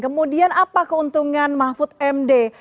kemudian apa keuntungan mahfud md